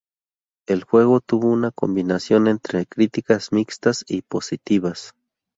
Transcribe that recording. El juego tuvo una combinación entre críticas mixtas y positivas.